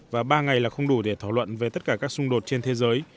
và ba ngày là không đủ để thảo luận về tất cả các xung đột trên thế giới